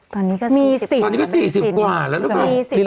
ตอนนี้ก็๔๐กว่าไม่มีถึงหรือเปล่าลิตรละ๕๐กว่าไม่มีถึงหรือเปล่า